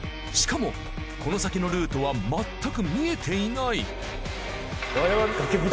しかもこの先のルートはまったく見えていない。